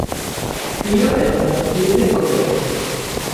Tio estas tute korekta.